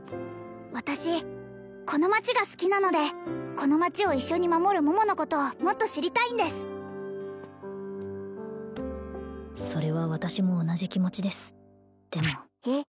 私この町が好きなのでこの町を一緒に守る桃のことをもっと知りたいんですそれは私も同じ気持ちですでもえっ？